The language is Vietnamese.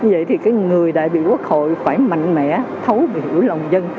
vậy thì cái người đại biểu quốc hội phải mạnh mẽ thấu biểu lòng dân